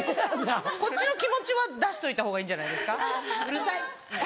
こっちの気持ちは出しといたほうがいいんじゃないですか「うるさい！」。